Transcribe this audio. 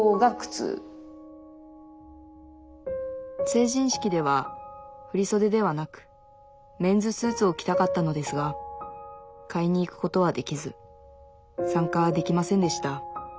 成人式では振り袖ではなくメンズスーツを着たかったのですが買いに行くことはできず参加できませんでした